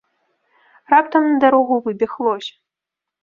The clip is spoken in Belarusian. Раптам на дарогу выбег лось.